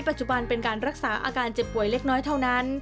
เป็นการรักษาอาการเจ็บป่วยเล็กน้อยเท่านั้น